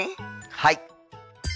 はい。